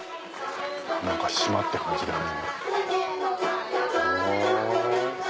何か島って感じだね。